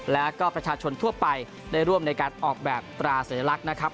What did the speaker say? แล้วก็ประชาชนทั่วไปได้ร่วมในการออกแบบตราสัญลักษณ์นะครับ